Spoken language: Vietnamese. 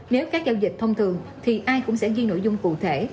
nếu các giao dịch thông thường thì ai cũng sẽ ghi nội dung cụ thể